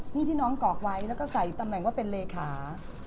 นี่ที่น้องกรอกไว้แล้วก็ใส่ตำแหน่งว่าเป็นเลขา